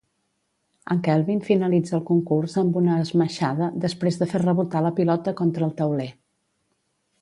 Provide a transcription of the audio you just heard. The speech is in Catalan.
En Calvin finalitza el concurs amb una esmaixada després de fer rebotar la pilota contra el tauler.